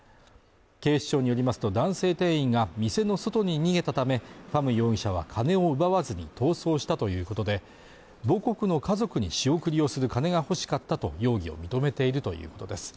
警視庁によりますと男性店員が店の外に逃げたためファム容疑者は金を奪わずに逃走したということで母国の家族に仕送りをする金が欲しかったと容疑を認めているということです